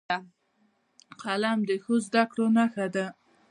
قلم د ښو زدهکړو نښه ده